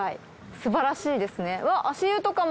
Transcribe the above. すばらしいですね。